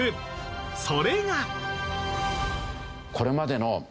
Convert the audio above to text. それが。